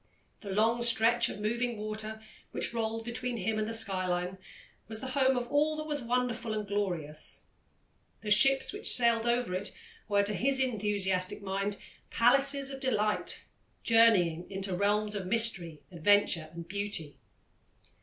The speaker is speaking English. The long stretch of moving water, which rolled between him and the skyline, was the home of all that was wonderful and glorious; the ships which sailed over it were, to his enthusiastic mind, palaces of delight, journeying into realms of mystery, adventure, and beauty.